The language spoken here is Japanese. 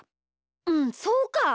うんそうか！